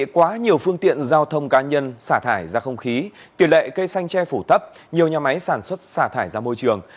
quá nhiều phương tiện giao thông cá nhân xả thải ra không khí tỷ lệ cây xanh che phủ thấp nhiều nhà máy sản xuất xả thải ra môi trường